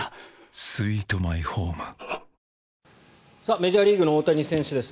メジャーリーグの大谷選手です。